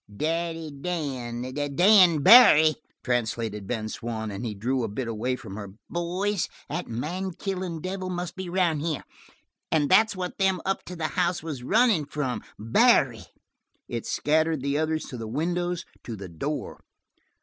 "Daddy Dan Dan Barry," translated Ben Swann, and he drew a bit away from her. "Boys, that mankillin' devil must be around here; and that's what them up to the house was runnin' from Barry!" It scattered the others to the windows, to the door.